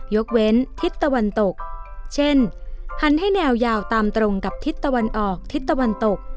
ยกเว้นทิศตะวันตกเช่นหันให้แนวยาวตามตรงกับทิศตะวันออกทิศตะวันตก